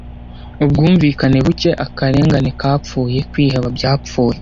Ubwumvikane buke, akarengane kapfuye, kwiheba byapfuye;